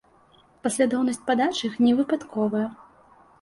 Паслядоўнасць падачы іх не выпадковая.